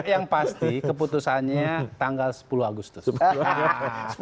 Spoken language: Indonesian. yang pasti keputusannya tanggal sepuluh agustus